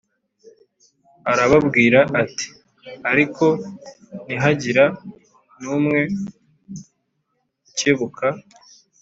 arababwira ati” Ariko ntihagira n’umwe ukebuka